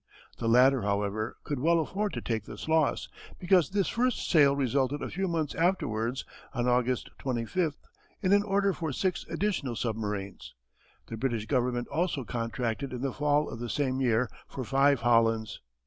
The latter, however, could well afford to take this loss because this first sale resulted a few months afterwards on August 25th in an order for six additional submarines. The British Government also contracted in the fall of the same year for five Hollands.